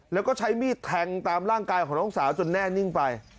แล้วก็ใช้มีดแทงตามร่างกายของน้องสาวจนแน่นิ่งไป